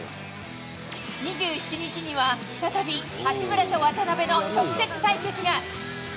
２７日には、再び八村と渡邊の直接対決が。